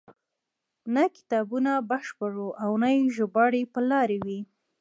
نه کتابونه بشپړ وو او نه یې ژباړې پر لار وې.